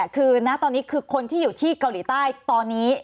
คือคนที่อยู่ที่เกาหลีใต้ตอนนี้